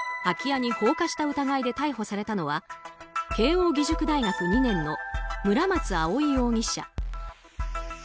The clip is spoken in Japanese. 空き家に放火した疑いで逮捕されたのは慶應義塾大学２年の村松葵容疑者。